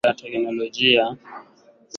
mijini na tasnia Teknolojia ya skanning ya laser